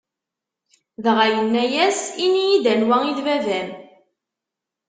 Dɣa yenna-yas: Ini-yi-d, anwa i d baba-m?